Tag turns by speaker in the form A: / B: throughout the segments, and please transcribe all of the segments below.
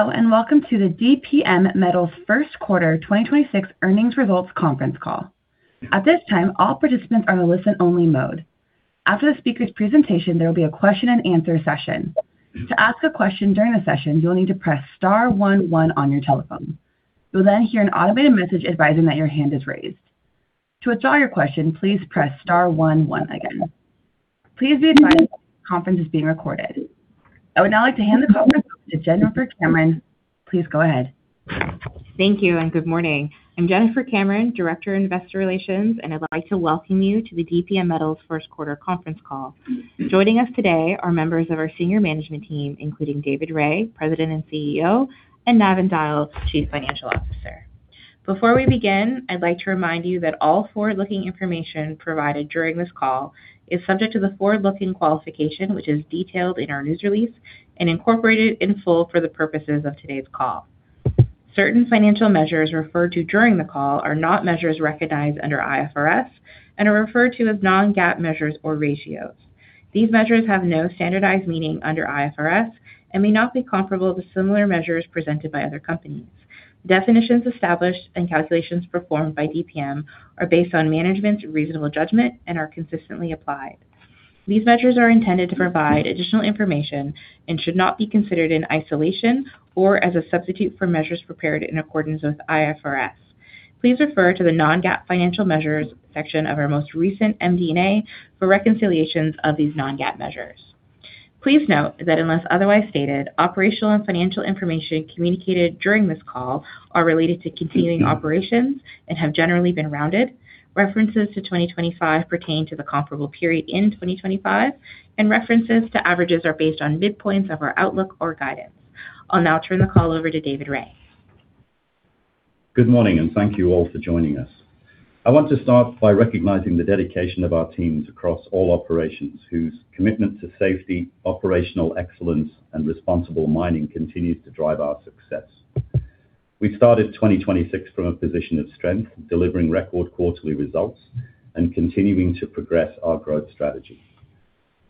A: Hello, and welcome to the DPM Metals First Quarter 2026 Earnings Results Conference Call. At this time, all participants are in listen only mode. After the speaker's presentation, there will be a question and answer session. To ask a question during the session, you'll need to press star one one on your telephone. You'll then hear an automated message advising that your hand is raised. To withdraw your question, please press star one one again. Please be advised that this conference is being recorded. I would now like to hand the call over to Jennifer Cameron. Please go ahead.
B: Thank you. Good morning. I'm Jennifer Cameron, Director of Investor Relations, and I'd like to welcome you to the DPM Metals first quarter conference call. Joining us today are members of our senior management team, including David Rae, President and CEO, and Navin Dyal, Chief Financial Officer. Before we begin, I'd like to remind you that all forward-looking information provided during this call is subject to the forward-looking qualification, which is detailed in our news release and incorporated in full for the purposes of today's call. Certain financial measures referred to during the call are not measures recognized under IFRS and are referred to as non-GAAP measures or ratios. These measures have no standardized meaning under IFRS and may not be comparable to similar measures presented by other companies. Definitions established and calculations performed by DPM are based on management's reasonable judgment and are consistently applied. These measures are intended to provide additional information and should not be considered in isolation or as a substitute for measures prepared in accordance with IFRS. Please refer to the non-GAAP financial measures section of our most recent MD&A for reconciliations of these non-GAAP measures. Please note that unless otherwise stated, operational and financial information communicated during this call are related to continuing operations and have generally been rounded. References to 2025 pertain to the comparable period in 2025, and references to averages are based on midpoints of our outlook or guidance. I'll now turn the call over to David Rae.
C: Good morning, and thank you all for joining us. I want to start by recognizing the dedication of our teams across all operations, whose commitment to safety, operational excellence, and responsible mining continues to drive our success. We started 2026 from a position of strength, delivering record quarterly results and continuing to progress our growth strategy.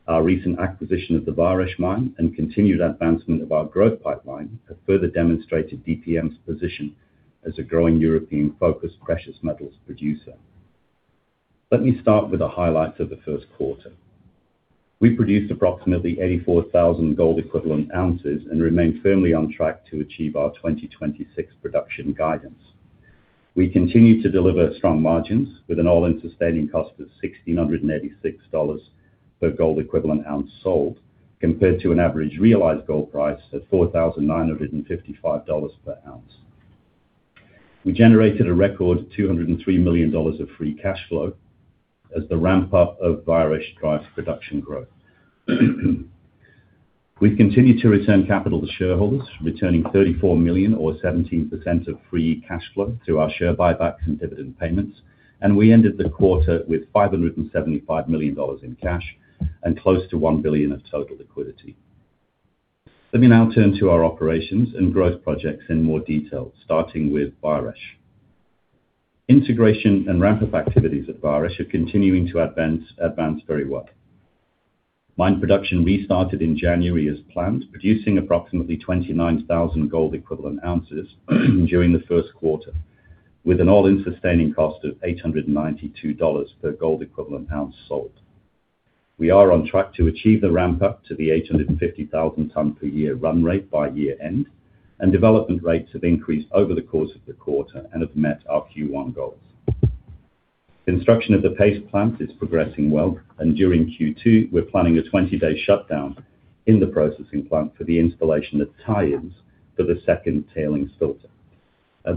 C: Our recent acquisition of the Vareš mine and continued advancement of our growth pipeline have further demonstrated DPM's position as a growing European-focused precious metals producer. Let me start with the highlights of the first quarter. We produced approximately 84,000 gold equivalent ounces and remain firmly on track to achieve our 2026 production guidance. We continue to deliver strong margins with an all-in sustaining cost of $1,686 per gold equivalent ounce sold, compared to an average realized gold price at $4,955 per ounce. We generated a record $203 million of free cash flow as the ramp-up of Vareš drives production growth. We continue to return capital to shareholders, returning $34 million or 17% of free cash flow to our share buybacks and dividend payments. We ended the quarter with $575 million in cash and close to $1 billion of total liquidity. Let me now turn to our operations and growth projects in more detail, starting with Vareš. Integration and ramp-up activities at Vareš are continuing to advance very well. Mine production restarted in January as planned, producing approximately 29,000 gold equivalent ounces during the first quarter, with an all-in sustaining cost of $892 per gold equivalent ounce sold. We are on track to achieve the ramp-up to the 850,000 ton per year run rate by year-end, and development rates have increased over the course of the quarter and have met our Q1 goals. Construction of the paste plant is progressing well, during Q2, we're planning a 20-day shutdown in the processing plant for the installation of tie-ins for the second tailings filter.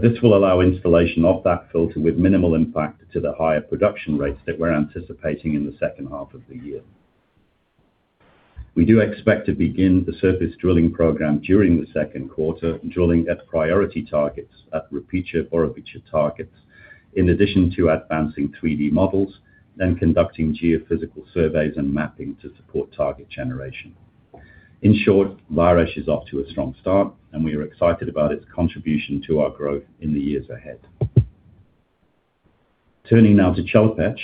C: This will allow installation of that filter with minimal impact to the higher production rates that we're anticipating in the second half of the year. We do expect to begin the surface drilling program during the second quarter, drilling at priority targets at Rupice-Oroviće targets, in addition to advancing 3D models, then conducting geophysical surveys and mapping to support target generation. In short, Vareš is off to a strong start, and we are excited about its contribution to our growth in the years ahead. Turning now to Chelopech.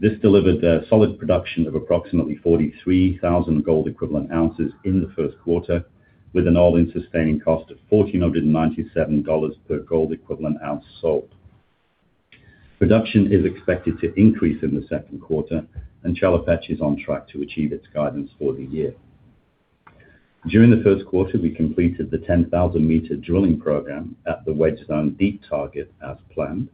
C: This delivered a solid production of approximately 43,000 gold equivalent ounces in the first quarter, with an all-in sustaining cost of $1,497 per gold equivalent ounce sold. Production is expected to increase in the second quarter, and Chelopech is on track to achieve its guidance for the year. During the first quarter, we completed the 10,000-meter drilling program at the Wedge Zone Deep target as planned.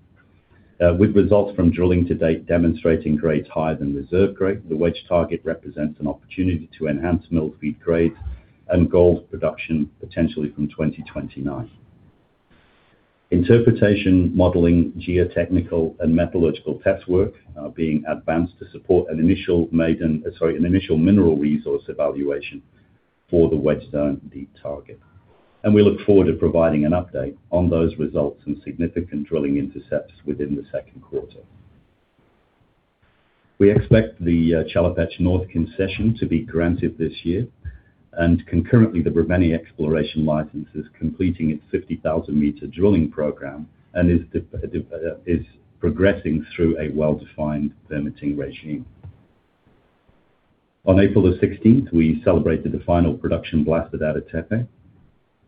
C: With results from drilling to date demonstrating grades higher than reserve grade, the Wedge target represents an opportunity to enhance mill feed grades and gold production potentially from 2029. Interpretation, modeling, geotechnical and metallurgical test work are being advanced to support an initial mineral resource evaluation for the Wedge Zone Deep target. We look forward to providing an update on those results and significant drilling intercepts within the second quarter. We expect the Chelopech North concession to be granted this year, concurrently, the Brevene exploration license is completing its 50,000-meter drilling program and is progressing through a well-defined permitting regime. On April 16th, we celebrated the final production blast at Ada Tepe.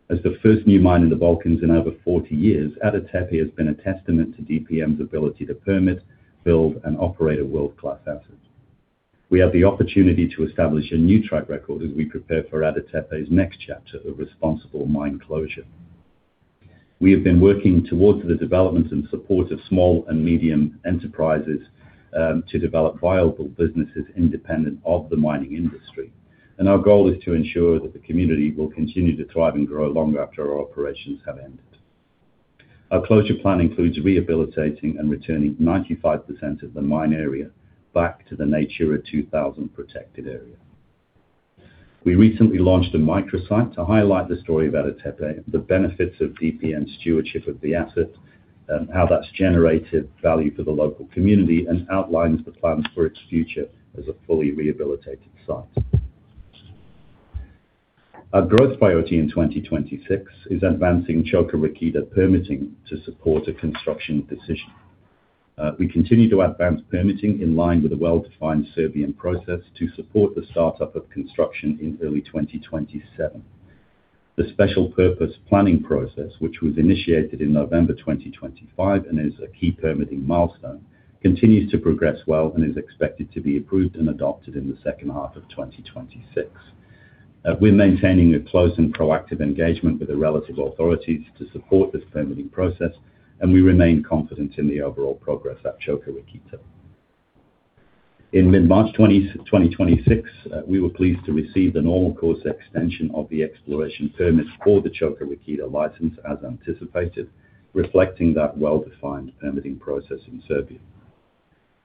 C: As the first new mine in the Balkans in over 40 years, Ada Tepe has been a testament to DPM Metals' ability to permit, build, and operate a world-class asset. We have the opportunity to establish a new track record as we prepare for Ada Tepe's next chapter of responsible mine closure. We have been working towards the development and support of small and medium enterprises to develop viable businesses independent of the mining industry, and our goal is to ensure that the community will continue to thrive and grow long after our operations have ended. Our closure plan includes rehabilitating and returning 95% of the mine area back to the Natura 2000 protected area. We recently launched a microsite to highlight the story of Ada Tepe, the benefits of DPM stewardship of the asset, how that's generated value for the local community, and outlines the plans for its future as a fully rehabilitated site. Our growth priority in 2026 is advancing Čoka Rakita permitting to support a construction decision. We continue to advance permitting in line with the well-defined Serbian process to support the startup of construction in early 2027. The special purpose planning process, which was initiated in November 2025 and is a key permitting milestone, continues to progress well and is expected to be approved and adopted in the second half of 2026. We're maintaining a close and proactive engagement with the relative authorities to support this permitting process, and we remain confident in the overall progress at Čoka Rakita. In mid-March 2026, we were pleased to receive the normal course extension of the exploration permit for the Čoka Rakita license as anticipated, reflecting that well-defined permitting process in Serbia.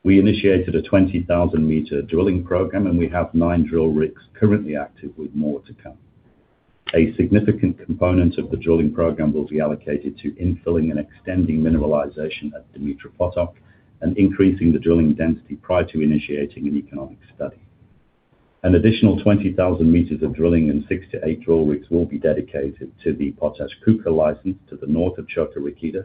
C: We initiated a 20,000-meter drilling program, and we have nine drill rigs currently active with more to come. A significant component of the drilling program will be allocated to infilling and extending mineralization at Dumitru Potok and increasing the drilling density prior to initiating an economic study. An additional 20,000 meters of drilling and six to eight drill rigs will be dedicated to the Potaj Čuka license to the north of Čoka Rakita,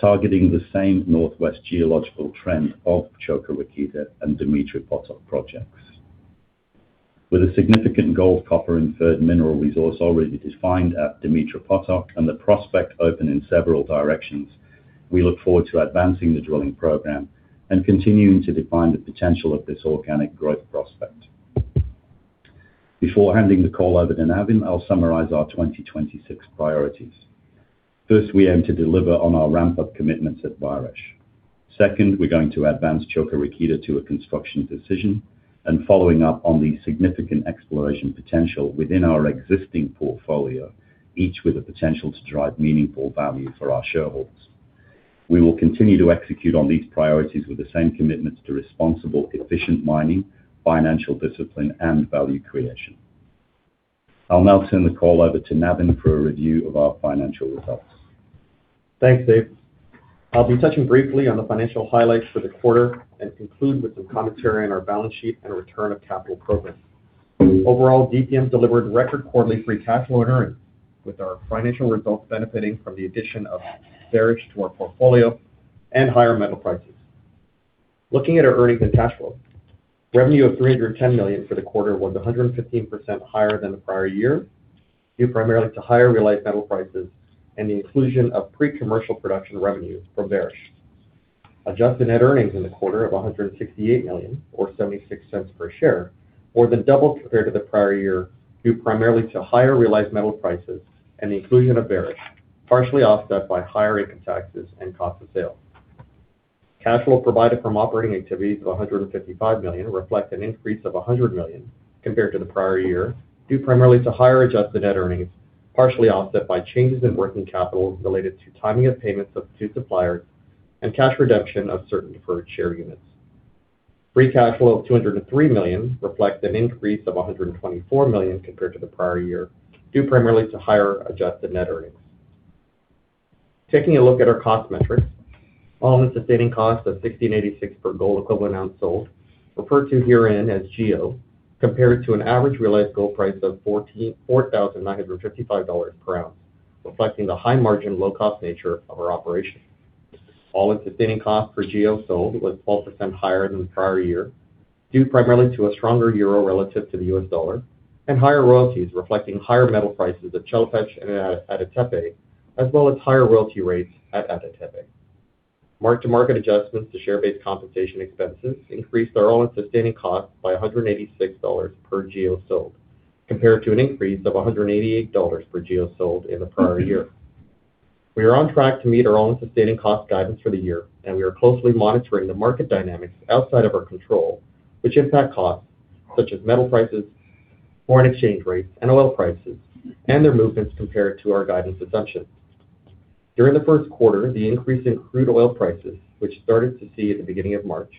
C: targeting the same northwest geological trend of Čoka Rakita and Dumitru Potok projects. With a significant gold, copper, inferred mineral resource already defined at Dumitru Potok and the prospect open in several directions, we look forward to advancing the drilling program and continuing to define the potential of this organic growth prospect. Before handing the call over to Navin, I'll summarize our 2026 priorities. First, we aim to deliver on our ramp-up commitments at Vareš. Second, we're going to advance Čoka Rakita to a construction decision and following up on the significant exploration potential within our existing portfolio, each with the potential to drive meaningful value for our shareholders. We will continue to execute on these priorities with the same commitments to responsible, efficient mining, financial discipline, and value creation. I'll now turn the call over to Navin for a review of our financial results.
D: Thanks, Dave. I will be touching briefly on the financial highlights for the quarter and conclude with some commentary on our balance sheet and return of capital program. Overall, DPM delivered record quarterly free cash flow and earnings, with our financial results benefiting from the addition of Vareš to our portfolio and higher metal prices. Looking at our earnings and cash flow, revenue of $310 million for the quarter was 115% higher than the prior year, due primarily to higher realized metal prices and the inclusion of pre-commercial production revenue from Vareš. Adjusted net earnings in the quarter of $168 million or $0.76 per share, more than double compared to the prior year, due primarily to higher realized metal prices and the inclusion of Vareš, partially offset by higher income taxes and cost of sales. Cash flow provided from operating activities of $155 million reflects an increase of $100 million compared to the prior year, due primarily to higher adjusted net earnings, partially offset by changes in working capital related to timing of payments of two suppliers and cash redemption of certain deferred share units. Free cash flow of $203 million reflects an increase of $124 million compared to the prior year, due primarily to higher adjusted net earnings. Taking a look at our cost metrics, all-in sustaining costs of $1,686 per gold equivalent ounce sold, referred to herein as GEO, compared to an average realized gold price of $4,955 per ounce, reflecting the high margin, low cost nature of our operation. All-in sustaining cost per GEO sold was 12% higher than the prior year, due primarily to a stronger euro relative to the U.S. dollar and higher royalties reflecting higher metal prices at Chelopech and Ada Tepe, as well as higher royalty rates at Ada Tepe. Mark-to-market adjustments to share-based compensation expenses increased our all-in sustaining cost by $186 per GEO sold, compared to an increase of $188 per GEO sold in the prior year. We are on track to meet our all-in sustaining cost guidance for the year, we are closely monitoring the market dynamics outside of our control, which impact costs such as metal prices, foreign exchange rates, and oil prices, and their movements compared to our guidance assumptions. During the first quarter, the increase in crude oil prices, which started to see at the beginning of March,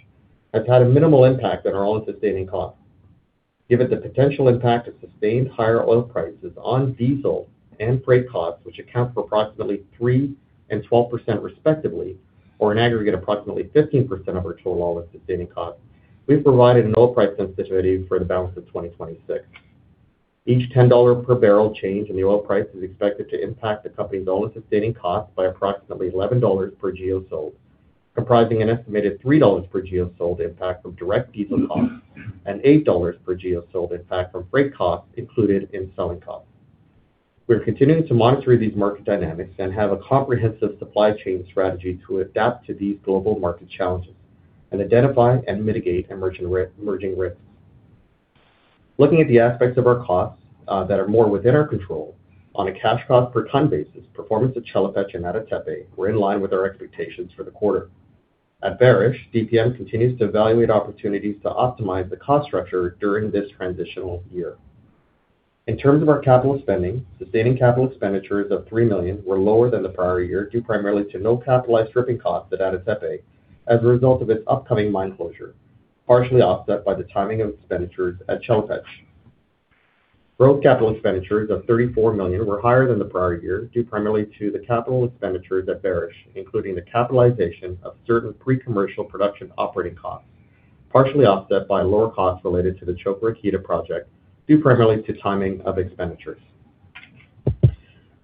D: has had a minimal impact on our all-in sustaining cost. Given the potential impact of sustained higher oil prices on diesel and freight costs, which account for approximately 3% and 12% respectively, or an aggregate approximately 15% of our total all-in sustaining cost, we've provided an oil price sensitivity for the balance of 2026. Each $10 per barrel change in the oil price is expected to impact the company's all-in sustaining costs by approximately $11 per GEO sold, comprising an estimated $3 per GEO sold impact from direct diesel costs and $8 per GEO sold impact from freight costs included in selling costs. We're continuing to monitor these market dynamics and have a comprehensive supply chain strategy to adapt to these global market challenges and identify and mitigate emerging risks. Looking at the aspects of our costs that are more within our control, on a cash cost per ton basis, performance at Chelopech and Ada Tepe were in line with our expectations for the quarter. At Vareš, DPM continues to evaluate opportunities to optimize the cost structure during this transitional year. In terms of our capital spending, sustaining capital expenditures of $3 million were lower than the prior year, due primarily to no capitalized stripping costs at Ada Tepe as a result of its upcoming mine closure, partially offset by the timing of expenditures at Chelopech. Gross capital expenditures of $34 million were higher than the prior year, due primarily to the capital expenditures at Vareš, including the capitalization of certain pre-commercial production operating costs, partially offset by lower costs related to the Čoka Rakita project, due primarily to timing of expenditures.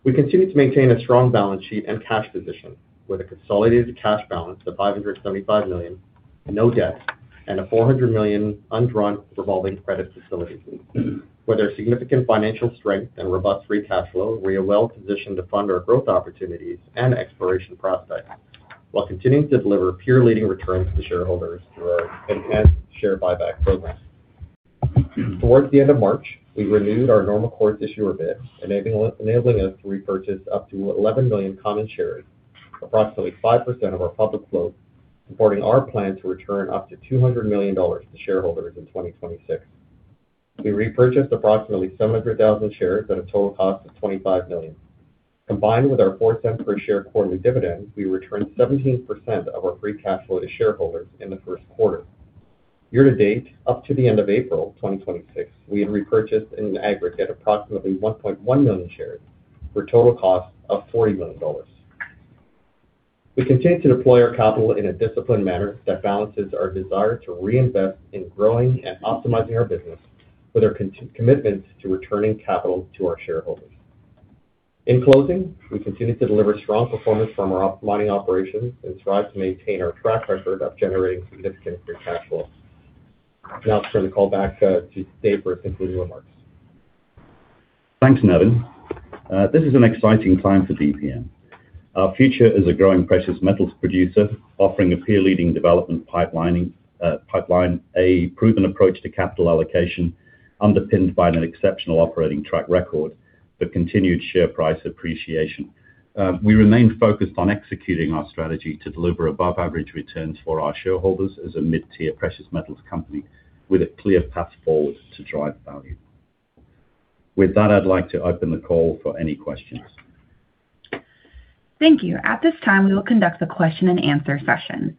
D: We continue to maintain a strong balance sheet and cash position with a consolidated cash balance of $575 million, no debt, and a $400 million undrawn revolving credit facility. With our significant financial strength and robust free cash flow, we are well-positioned to fund our growth opportunities and exploration prospects while continuing to deliver peer-leading returns to shareholders through our enhanced share buyback program. Towards the end of March, we renewed our normal course issuer bid, enabling us to repurchase up to 11 million common shares, approximately 5% of our public float, supporting our plan to return up to $200 million to shareholders in 2026. We repurchased approximately 700,000 shares at a total cost of $25 million. Combined with our $0.04 per share quarterly dividend, we returned 17% of our free cash flow to shareholders in the first quarter. Year to date, up to the end of April 2026, we had repurchased in aggregate approximately 1.1 million shares for a total cost of $40 million. We continue to deploy our capital in a disciplined manner that balances our desire to reinvest in growing and optimizing our business with our commitment to returning capital to our shareholders. In closing, we continue to deliver strong performance from our mining operations and strive to maintain our track record of generating significant free cash flow. I'll turn the call back to David for his concluding remarks.
C: Thanks, Navin. This is an exciting time for DPM. Our future is a growing precious metals producer offering a peer-leading development pipeline, a proven approach to capital allocation underpinned by an exceptional operating track record for continued share price appreciation. We remain focused on executing our strategy to deliver above-average returns for our shareholders as a mid-tier precious metals company with a clear path forward to drive value. With that, I'd like to open the call for any questions.
A: Thank you. At this time, we will conduct a question and answer session.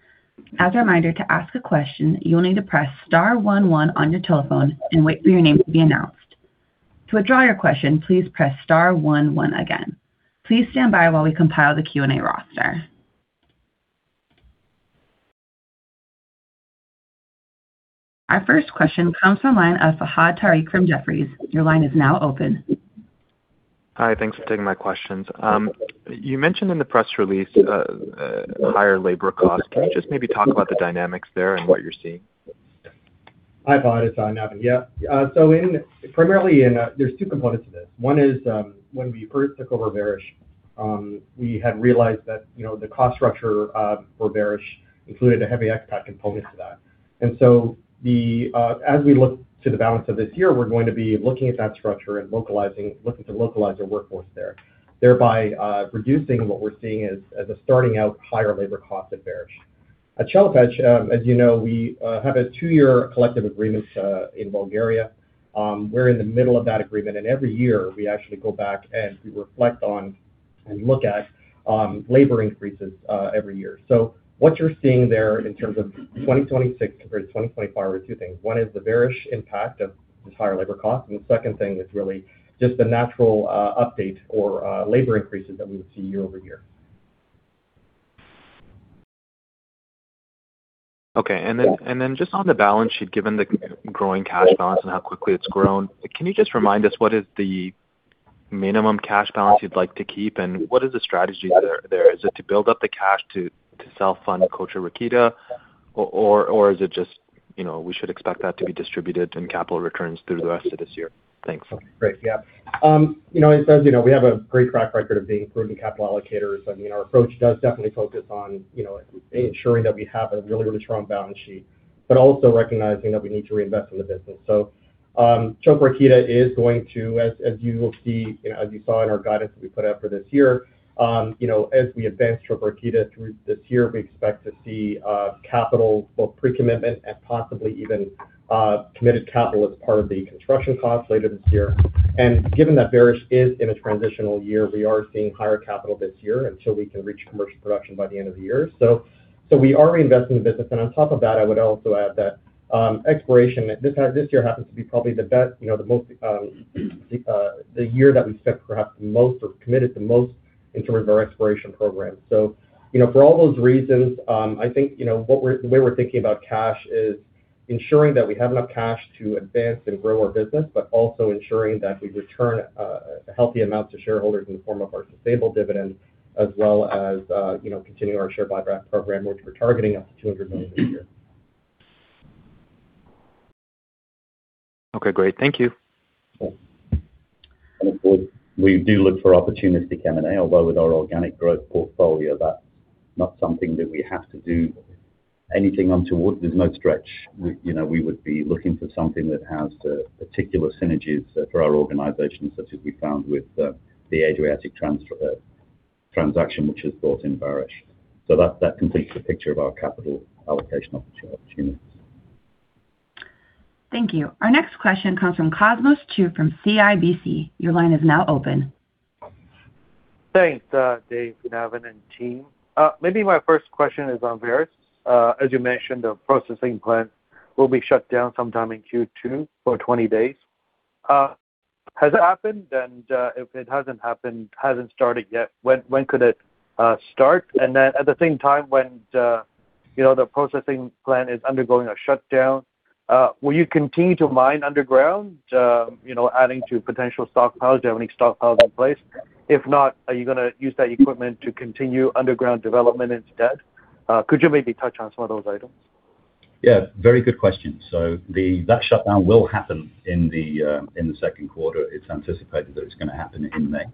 A: As a reminder, to ask a question, you will need to press star one one on your telephone and wait for your name to be announced. To withdraw your question, please press star one one again. Please stand by while we compile the Q&A roster. Our first question comes from line of Fahad Tariq from Jefferies. Your line is now open.
E: Hi. Thanks for taking my questions. You mentioned in the press release higher labor costs. Can you just maybe talk about the dynamics there and what you're seeing?
D: Hi, Fahad, it's Navin. Yeah. Primarily in, there's two components to this. One is, when we first took over Vareš, we had realized that, you know, the cost structure for Vareš included a heavy expat component to that. As we look to the balance of this year, we're going to be looking at that structure and looking to localize our workforce there, thereby reducing what we're seeing as a starting out higher labor cost at Vareš. At Chelopech, as you know, we have a two-year collective agreement in Bulgaria. We're in the middle of that agreement, every year, we actually go back and we reflect on and look at labor increases every year. What you're seeing there in terms of 2026 or 2025 are two things. One is the Vareš impact of this higher labor cost, and the second thing is really just the natural, update or, labor increases that we would see year-over-year.
E: Okay. Just on the balance sheet, given the growing cash balance and how quickly it's grown, can you just remind us what is the minimum cash balance you'd like to keep, and what is the strategy there? Is it to build up the cash to self-fund Čoka Rakita, or is it just, you know, we should expect that to be distributed in capital returns through the rest of this year? Thanks.
D: Great. You know, we have a great track record of being prudent capital allocators. I mean, our approach does definitely focus on, you know, ensuring that we have a really strong balance sheet, but also recognizing that we need to reinvest in the business. Čoka Rakita is going to, as you will see, you know, as you saw in our guidance that we put out for this year, you know, as we advance Čoka Rakita through this year, we expect to see capital, both pre-commitment and possibly even committed capital as part of the construction costs later this year. Given that Vareš is in a transitional year, we are seeing higher capital this year until we can reach commercial production by the end of the year. We are reinvesting in the business, and on top of that, I would also add that exploration this year happens to be probably the best, the most, the year that we spent perhaps the most or committed the most in terms of our exploration program. For all those reasons, I think the way we're thinking about cash is ensuring that we have enough cash to advance and grow our business, but also ensuring that we return healthy amounts to shareholders in the form of our sustainable dividend, as well as continuing our share buyback program, which we're targeting up to $200 million this year.
E: Okay, great. Thank you.
C: Sure. Of course, we do look for opportunistic M&A, although with our organic growth portfolio, that's not something that we have to do anything on towards. There's no stretch. We, you know, we would be looking for something that has particular synergies for our organization, such as we found with the Adriatic transaction, which has brought in Vareš. That completes the picture of our capital allocation opportunities.
A: Thank you. Our next question comes from Cosmos Chiu from CIBC. Your line is now open.
F: Thanks, Dave, Navin, and team. Maybe my first question is on Vareš. As you mentioned, the processing plant will be shut down sometime in Q2 for 20 days. Has it happened? If it hasn't happened, hasn't started yet, when could it start? At the same time, when, you know, the processing plant is undergoing a shutdown, will you continue to mine underground, you know, adding to potential stockpiles? Do you have any stockpiles in place? If not, are you gonna use that equipment to continue underground development instead? Could you maybe touch on some of those items?
C: Very good question. That shutdown will happen in the second quarter. It's anticipated that it's gonna happen in May.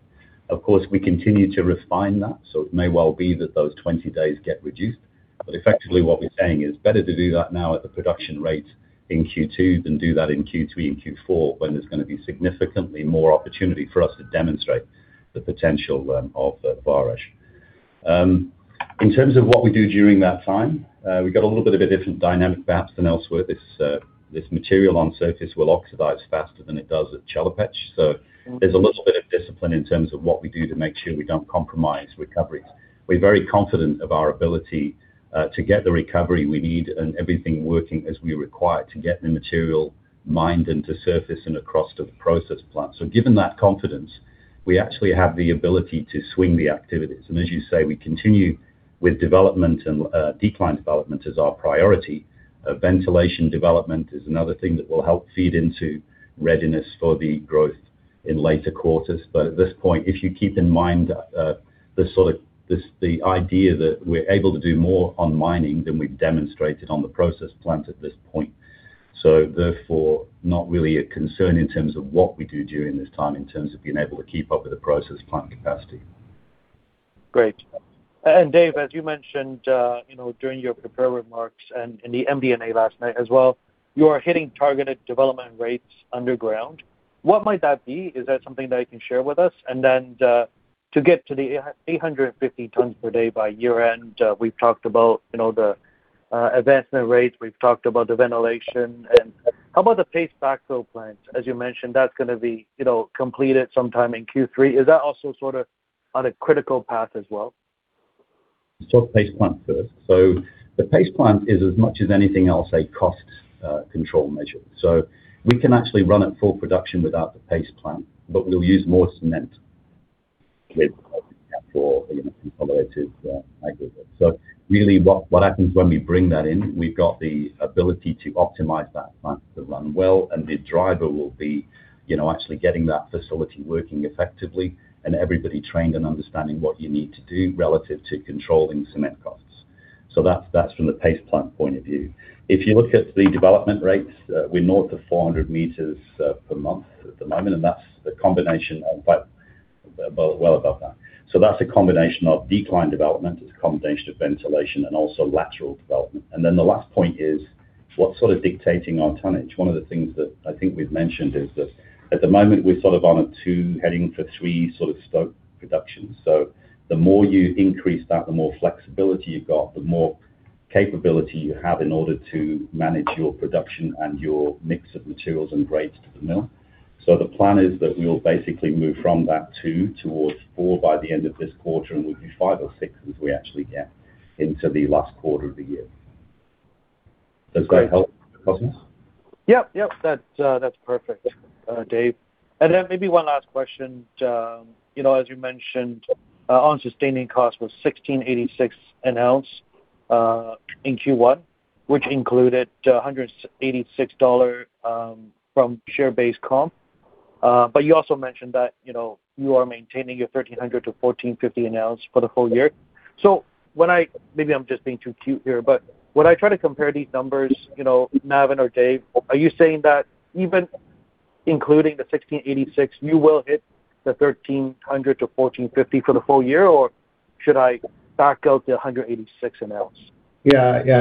C: Of course, we continue to refine that, so it may well be that those 20 days get reduced. Effectively what we're saying is better to do that now at the production rate in Q2 than do that in Q3 and Q4, when there's gonna be significantly more opportunity for us to demonstrate the potential of Vareš. In terms of what we do during that time, we've got a little bit of a different dynamic perhaps than elsewhere. This material on surface will oxidize faster than it does at Chelopech. There's a little bit of discipline in terms of what we do to make sure we don't compromise recoveries. We're very confident of our ability to get the recovery we need and everything working as we require to get the material mined into surface and across to the process plant. Given that confidence, we actually have the ability to swing the activities. As you say, we continue with development and decline development as our priority. Ventilation development is another thing that will help feed into readiness for the growth in later quarters. At this point, if you keep in mind the sort of the idea that we're able to do more on mining than we've demonstrated on the process plant at this point, therefore, not really a concern in terms of what we do during this time in terms of being able to keep up with the process plant capacity.
F: Great. Dave, as you mentioned, you know, during your prepared remarks and in the MD&A last night as well, you are hitting targeted development rates underground. What might that be? Is that something that you can share with us? Then, to get to the 850 tons per day by year-end, we've talked about, you know, the advancement rates, we've talked about the ventilation. How about the paste backfill plant? As you mentioned, that's gonna be, you know, completed sometime in Q3. Is that also sort of on a critical path as well?
C: Paste plant first. The paste plant is as much as anything else, a cost control measure. We can actually run at full production without the paste plant, but we'll use more cement with for, you know, consolidative aggregate. Really what happens when we bring that in, we've got the ability to optimize that plant to run well, and the driver will be, you know, actually getting that facility working effectively and everybody trained and understanding what you need to do relative to controlling cement costs. That's from the paste plant point of view. If you look at the development rates, we're north of 400 meters per month at the moment, and that's the combination of well, well above that. That's a combination of decline development, it's a combination of ventilation and also lateral development. The last point is what's sort of dictating our tonnage. One of the things that I think we've mentioned is that at the moment, we're sort of on a two, heading for three sort of stope production. The more you increase that, the more flexibility you've got, the more capability you have in order to manage your production and your mix of materials and grades to the mill. The plan is that we'll basically move from that two towards four by the end of this quarter, and we'll do five or six as we actually get into the last quarter of the year. Does that help, Cosmos?
F: Yep. Yep. That's, that's perfect, Dave. Then maybe one last question. You know, as you mentioned, our sustaining cost was $1,686 an ounce in Q1, which included $186 from share-based comp. You also mentioned that, you know, you are maintaining your $1,300-$1,450 an ounce for the full year. When I Maybe I'm just being too cute here, but when I try to compare these numbers, you know, Navin or Dave, are you saying that even including the $1,686, you will hit the $1,300-$1,450 for the full year, or should I back out the $186 an ounce?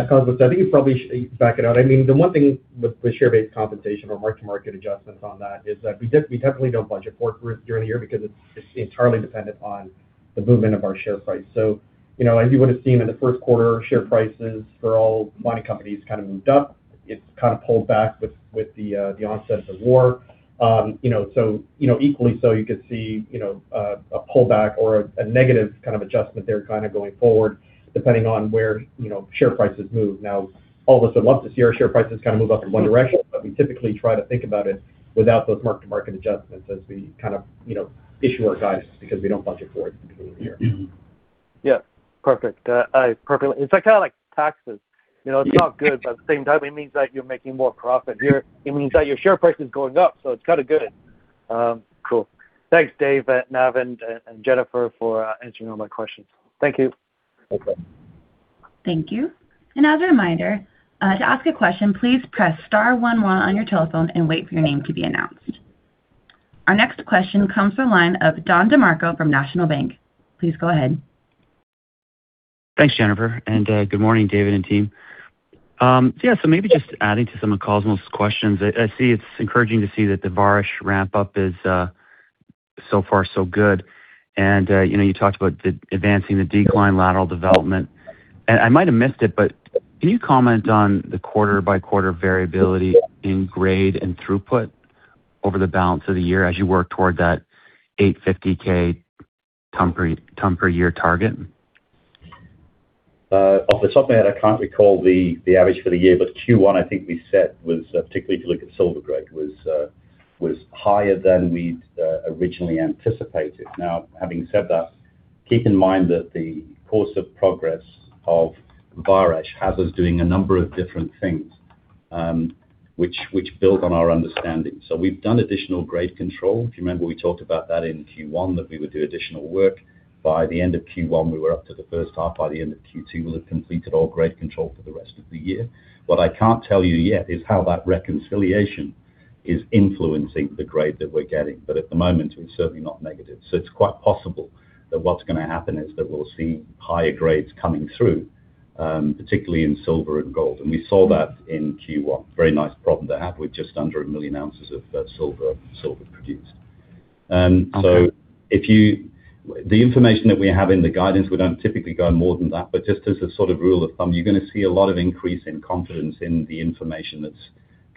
D: Cosmos. I think you probably back it out. I mean, the one thing with the share-based compensation or mark-to-market adjustments on that is that we definitely don't budget for it during the year because it's entirely dependent on the movement of our share price. You know, as you would've seen in the first quarter, share prices for all mining companies kind of moved up. It's kind of pulled back with the onset of war. You know, equally so, you could see, you know, a pullback or a negative kind of adjustment there kind of going forward, depending on where, you know, share prices move. All of us would love to see our share prices kind of move up in one direction, but we typically try to think about it without those mark-to-market adjustments as we kind of, you know, issue our guidance because we don't budget for it at the beginning of the year.
F: Yeah. Perfect. It's kinda like taxes. You know, it's not good, but at the same time, it means that you're making more profit. Here, it means that your share price is going up, so it's kinda good. Cool. Thanks, Dave, Navin, and Jennifer for answering all my questions. Thank you.
C: Okay.
A: Thank you. As a reminder, to ask a question, please press star one one on your telephone and wait for your name to be announced. Our next question comes from the line of Don DeMarco from National Bank. Please go ahead.
G: Thanks, Jennifer. Good morning, David and team. Yeah, so maybe just adding to some of Cosmos questions. I see it's encouraging to see that the Vareš ramp up is so far so good. You know, you talked about the advancing the decline lateral development. I might have missed it, but can you comment on the quarter-by-quarter variability in grade and throughput over the balance of the year as you work toward that 850,000 ton per year target?
C: Off the top of my head, I can't recall the average for the year, but Q1, I think we set was, particularly if you look at silver grade, was higher than we'd originally anticipated. Now, having said that, keep in mind that the course of progress of Vareš has us doing a number of different things, which build on our understanding. We've done additional grade control. If you remember, we talked about that in Q1, that we would do additional work. By the end of Q1, we were up to the first half. By the end of Q2, we'll have completed all grade control for the rest of the year. What I can't tell you yet is how that reconciliation is influencing the grade that we're getting. At the moment, it's certainly not negative. It's quite possible that what's going to happen is that we'll see higher grades coming through, particularly in silver and gold. We saw that in Q1. Very nice problem to have with just under a million ounces of silver produced. The information that we have in the guidance, we don't typically go more than that, but just as a sort of rule of thumb, you're going to see a lot of increase in confidence in the information that's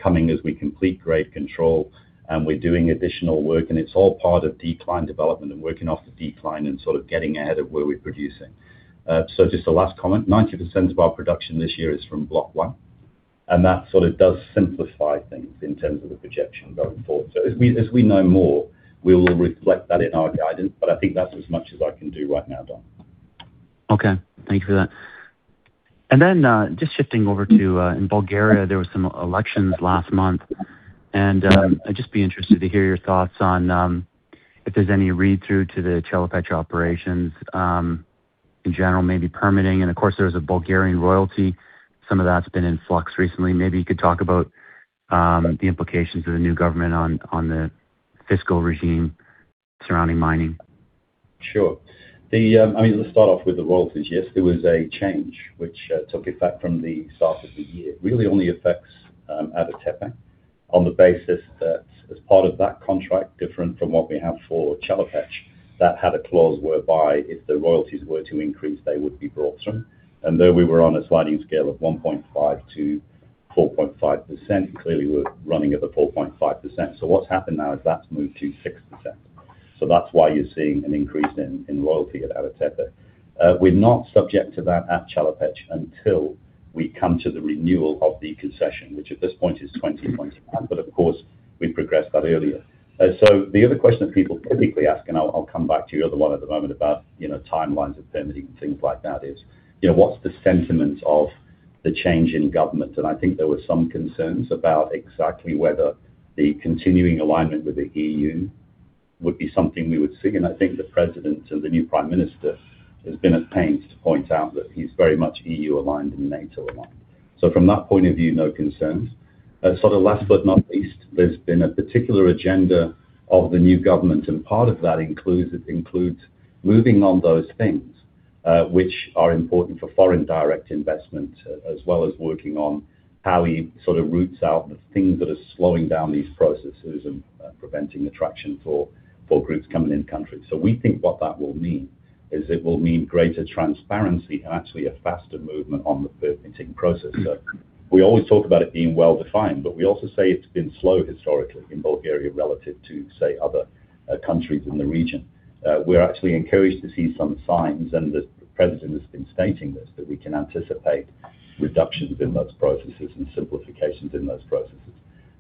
C: coming as we complete grade control, and we're doing additional work, and it's all part of decline development and working off the decline and sort of getting ahead of where we're producing. Just a last comment, 90% of our production this year is from block one, and that sort of does simplify things in terms of the projection going forward. As we know more, we will reflect that in our guidance, but I think that's as much as I can do right now, Don.
G: Okay. Thank you for that. Just shifting over to in Bulgaria, there was some elections last month. I'd just be interested to hear your thoughts on if there's any read-through to the Chelopech operations in general, maybe permitting. There was a Bulgarian royalty. Some of that's been in flux recently. Maybe you could talk about the implications of the new government on the fiscal regime surrounding mining.
C: Sure. I mean, let's start off with the royalties. Yes, there was a change which took effect from the start of the year. Really only affects at Ada Tepe on the basis that as part of that contract, different from what we have for Chelopech, that had a clause whereby if the royalties were to increase, they would be brought through. We were on a sliding scale of 1.5%-4.5%, clearly we're running at the 4.5%. What's happened now is that's moved to 6%. That's why you're seeing an increase in royalty at Ada Tepe. We're not subject to that at Chelopech until we come to the renewal of the concession, which at this point is 2025, but of course, we progressed that earlier. The other question that people typically ask, and I'll come back to your other one at the moment about, you know, timelines of permitting and things like that, is, you know, what's the sentiment of the change in government? I think there were some concerns about exactly whether the continuing alignment with the EU would be something we would see. I think the president and the new prime minister has been at pains to point out that he's very much EU-aligned and NATO-aligned. From that point of view, no concerns. Sort of last but not least, there's been a particular agenda of the new government, and part of that includes moving on those things, which are important for foreign direct investment, as well as working on how he sort of roots out the things that are slowing down these processes and preventing attraction for groups coming into the country. We think what that will mean is it will mean greater transparency and actually a faster movement on the permitting process. We always talk about it being well-defined, but we also say it's been slow historically in Bulgaria relative to, say, other countries in the region. We're actually encouraged to see some signs, and the president has been stating this, that we can anticipate reductions in those processes and simplifications in those processes.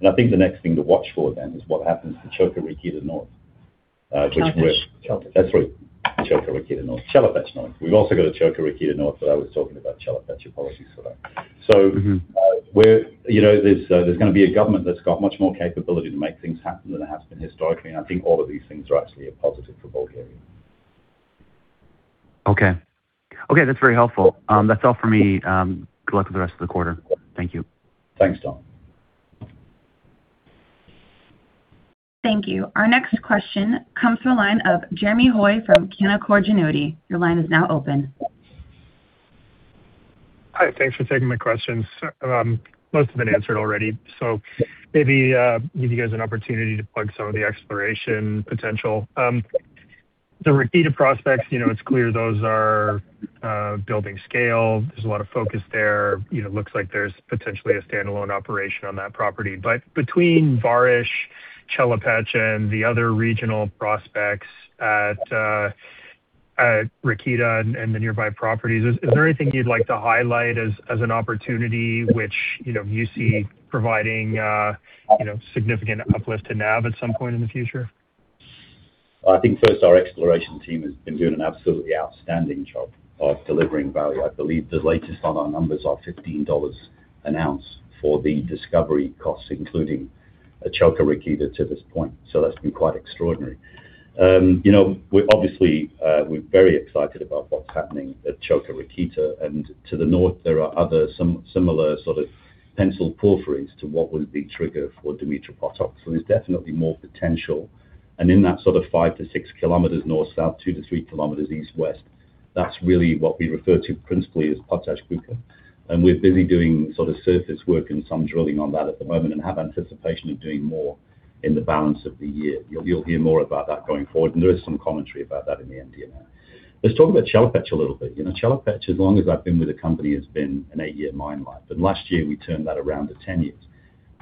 C: I think the next thing to watch for then is what happens to Čoka Rakita North.
B: Chelopech.
C: That's right. Čoka Rakita North. Chelopech North. We've also got a Čoka Rakita North, but I was talking about Chelopech policies for that. We're, you know, there's gonna be a government that's got much more capability to make things happen than there has been historically, and I think all of these things are actually a positive for Bulgaria.
G: Okay. Okay, that's very helpful. That's all for me. Good luck with the rest of the quarter. Thank you.
C: Thanks, Don.
A: Thank you. Our next question comes from the line of Jeremy Hoy from Canaccord Genuity. Your line is now open.
H: Hi. Thanks for taking my questions. Most have been answered already. Maybe give you guys an opportunity to plug some of the exploration potential. The Rakita prospects, you know, it's clear those are building scale. There's a lot of focus there. You know, looks like there's potentially a standalone operation on that property. Between Vareš, Chelopech, and the other regional prospects at Rakita and the nearby properties, is there anything you'd like to highlight as an opportunity which, you know, you see providing significant uplift to NAV at some point in the future?
C: Well, I think first our exploration team has been doing an absolutely outstanding job of delivering value. I believe the latest on our numbers are $15 an ounce for the discovery costs, including Čoka Rakita to this point. That's been quite extraordinary. You know, we're obviously very excited about what's happening at Čoka Rakita. To the north, there are other similar sort of pencil porphyries to what was the trigger for Dumitru Potok. There's definitely more potential. In that sort of 5 km-6 km north, south, 2 km-3 km east, west, that's really what we refer to principally as Potaj Čuka. We're busy doing sort of surface work and some drilling on that at the moment and have anticipation of doing more in the balance of the year. You'll hear more about that going forward, and there is some commentary about that in the MD&A. Let's talk about Chelopech a little bit. You know, Chelopech, as long as I've been with the company, has been an eight-year mine life. Last year we turned that around to 10 years.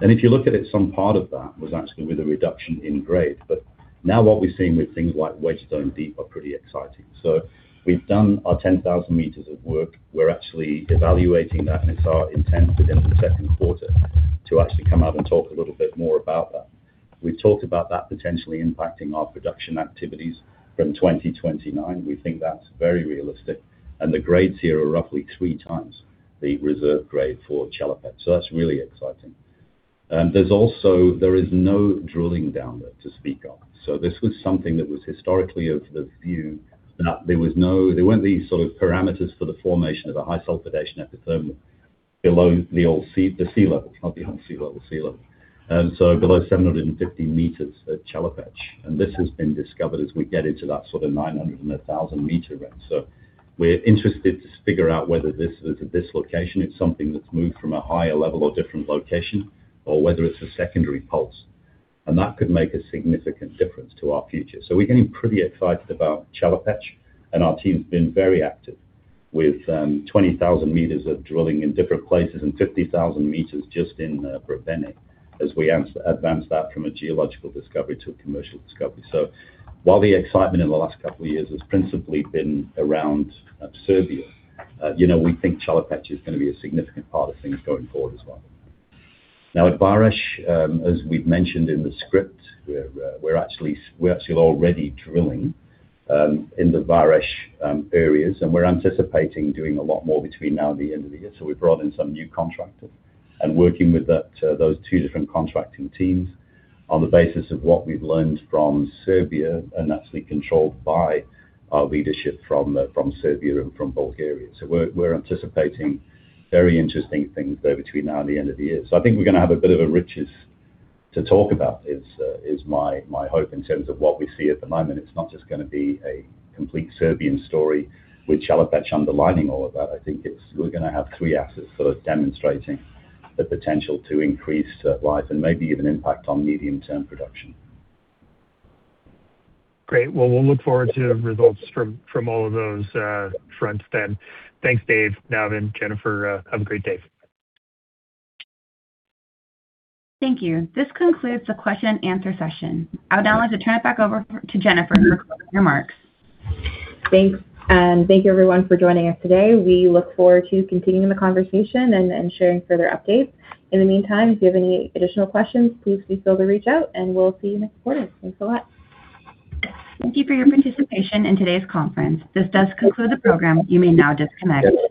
C: If you look at it, some part of that was actually with a reduction in grade. Now what we're seeing with things like Wedge Zone Deep are pretty exciting. We've done our 10,000 meters of work. We're actually evaluating that, and it's our intent within the second quarter to actually come out and talk a little bit more about that. We've talked about that potentially impacting our production activities from 2029. We think that's very realistic. The grades here are roughly three times the reserve grade for Chelopech. That's really exciting. There is no drilling down there to speak of. This was something that was historically of the view that there weren't these sort of parameters for the formation of a high sulfidation epithermal below the sea level. It's not behind sea level, sea level. Below 750 meters at Chelopech. This has been discovered as we get into that sort of 900-meter and 1,000-meter range. We're interested to figure out whether this is a dislocation, it's something that's moved from a higher level or different location, or whether it's a secondary pulse. That could make a significant difference to our future. We're getting pretty excited about Chelopech, and our team's been very active with 20,000 meters of drilling in different places and 50,000 meters just in Brevene as we advance that from a geological discovery to a commercial discovery. While the excitement in the last couple of years has principally been around Serbia, you know, we think Chelopech is gonna be a significant part of things going forward as well. At Vareš, as we've mentioned in the script, we're actually already drilling in the Vareš areas, and we're anticipating doing a lot more between now and the end of the year. We've brought in some new contractors and working with that, those two different contracting teams on the basis of what we've learned from Serbia and actually controlled by our leadership from Serbia and from Bulgaria. We're anticipating very interesting things there between now and the end of the year. I think we're gonna have a bit of a riches to talk about is my hope in terms of what we see at the moment. It's not just gonna be a complete Serbian story with Chelopech underlining all of that. We're gonna have three assets sort of demonstrating the potential to increase life and maybe even impact on medium-term production.
H: Great. Well, we'll look forward to results from all of those fronts then. Thanks, Dave, Navin, Jennifer. Have a great day.
A: Thank you. This concludes the question and answer session. I would now like to turn it back over to Jennifer for closing remarks.
B: Thanks. Thank you everyone for joining us today. We look forward to continuing the conversation and sharing further updates. In the meantime, if you have any additional questions, please feel free to reach out. We'll see you next quarter. Thanks a lot.
A: Thank you for your participation in today's conference. This does conclude the program. You may now disconnect.